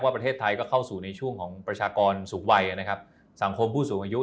ประเทศไทยก็เข้าสู่ในช่วงของประชากรสูงวัยนะครับสังคมผู้สูงอายุ